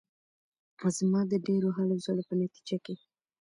زما د ډېرو هلو ځلو په نتیجه کې.